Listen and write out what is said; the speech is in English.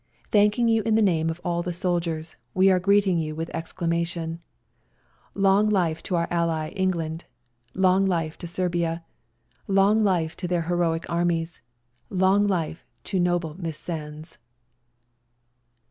" Thanking you in the name of all the soldiers, we are greeting you with exclamation :" Long life to our ally England, " Long life to Serbia, " Long life to their heroic Armies, " Long life to noble Miss Sandes